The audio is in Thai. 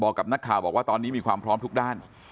กับนักข่าวบอกว่าตอนนี้มีความพร้อมทุกด้าน